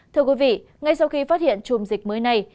thưa quý vị ngay sau khi phát hiện chùm dịch mới này